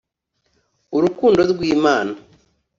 urukundo rw'imana